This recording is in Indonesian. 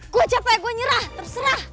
gue capek gue nyerah terserah